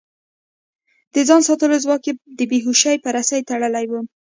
د ځان ساتلو ځواک يې د بې هوشۍ په رسۍ تړلی و.